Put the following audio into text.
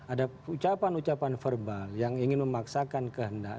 ada ucapan ucapan verbal yang ingin memaksakan kehendak